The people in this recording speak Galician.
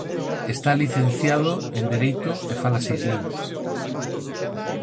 Está licenciado en Dereito e fala seis linguas.